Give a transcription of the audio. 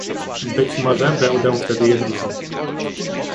Być może będę wtedy jedną z nich